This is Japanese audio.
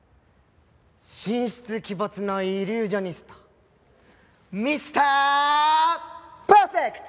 神出鬼没のイリュージョニストミスター・パーフェクト！